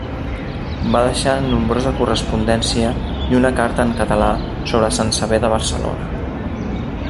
Va deixar nombrosa correspondència i una carta en català sobre sant Sever de Barcelona.